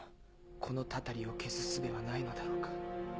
このタタリを消すすべはないのだろうか？